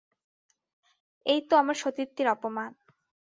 এই তো আমার সতীত্বের অপমান।